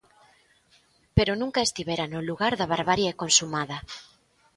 Pero nunca estivera no lugar da barbarie consumada.